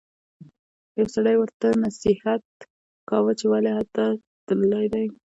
یو سړي ورته نصیحت کاوه چې ولې هلته تللی دی.